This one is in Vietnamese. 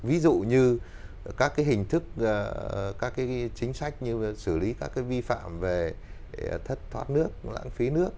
ví dụ như các cái hình thức các cái chính sách như xử lý các cái vi phạm về thất thoát nước lãng phí nước